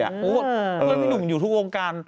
โอ้โฮพี่หนุ่มอยู่ทุกวงการ